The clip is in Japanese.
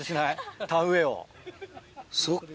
そっか。